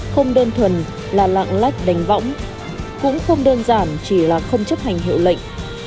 không đơn thuần là lạng lách đánh võng cũng không đơn giản chỉ là không chấp hành hiệu lệnh